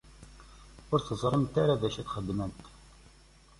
Ur teẓrimt ara d acu i txedmemt.